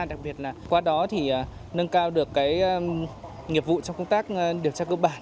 đặc biệt là qua đó thì nâng cao được cái nghiệp vụ trong công tác điều tra cơ bản